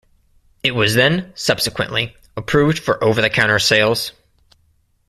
It was then subsequently approved for over-the-counter sales.